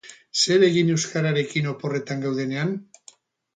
Zer egin euskararekin oporretan gaudenean?